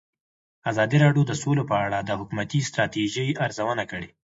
ازادي راډیو د سوله په اړه د حکومتي ستراتیژۍ ارزونه کړې.